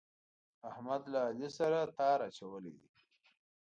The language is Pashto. احمد له علي سره تار اچولی دی.